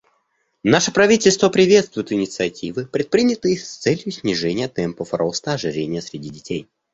Наше правительство приветствует инициативы, предпринятые с целью снижения темпов роста ожирения среди детей.